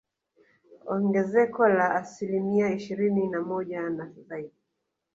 Ongezeko la asilimia ishirini na moja na zaidi